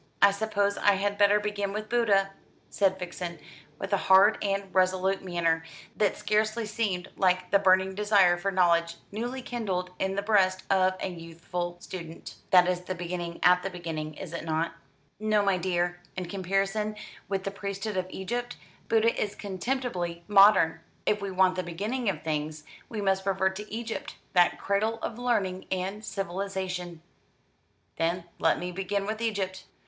"I suppose I had better begin with Buddha," said Vixen, with a hard and resolute manner that scarcely seemed like the burning desire for knowledge newly kindled in the breast of a youthful student. "That is beginning at the beginning, is it not?" "No, my dear. In comparison with the priesthood of Egypt, Buddha is contemptibly modern. If we want the beginning of things, we must revert to Egypt, that cradle of learning and civilisation." "Then let me begin with Egypt!"